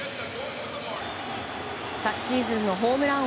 昨シーズンのホームラン